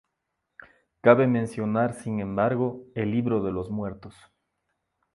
Cabe mencionar sin embargo el Libro de los Muertos.